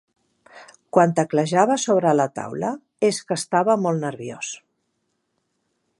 Quan teclejava sobre la taula és que estava molt nerviós.